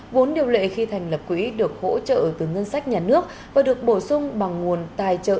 vốn điều lệ khi thành lập quỹ được hỗ trợ từ ngân sách nhà nước và được bổ sung bằng nguồn tài trợ